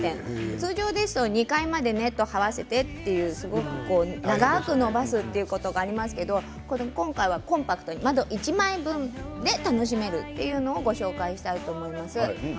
通常ですと２階までネットを張らせて長く伸ばすということがありますけど今回はコンパクトに窓１枚分で楽しめるというのをご紹介したいと思います。